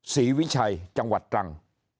วิชัยจังหวัดตรัง